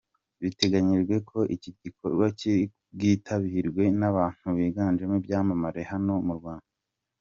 Biteganyijwe ko iki gikorwa kiri bwitabirwe n'abantu biganjemo ibyamamare hano mu Rwanda.